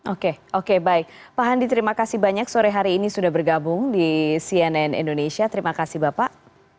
oke oke baik pak handi terima kasih banyak sore hari ini sudah bergabung di cnn indonesia terima kasih bapak